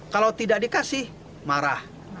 kalau tidak dikasih marah